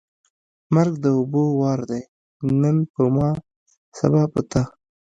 ـ مرګ د اوبو وار دی نن په ما ، سبا په تا.